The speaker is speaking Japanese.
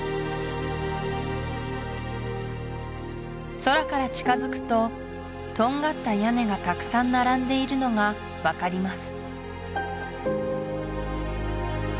空から近づくととんがった屋根がたくさん並んでいるのが分かります